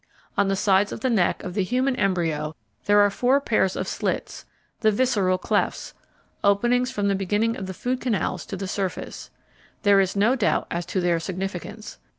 On the sides of the neck of the human embryo there are four pairs of slits, the "visceral clefts," openings from the beginning of the food canals to the surface. There is no doubt as to their significance.